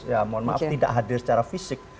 ya mohon maaf tidak hadir secara fisik